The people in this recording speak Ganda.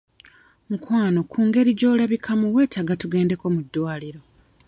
Mukwano ku ngeri gy'olabikamu weetaaga tugendeko mu ddwaliro.